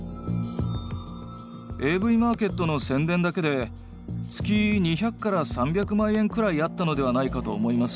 ＡＶＭａｒｋｅｔの宣伝だけで月２００３００万円くらいあったのではないかと思います。